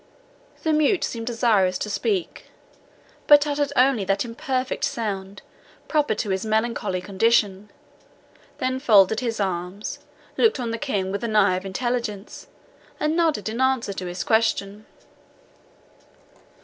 The mute seemed desirous to speak, but uttered only that imperfect sound proper to his melancholy condition; then folded his arms, looked on the King with an eye of intelligence, and nodded in answer to his question.